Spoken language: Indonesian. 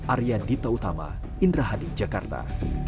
arya dita utama indra hadi jakarta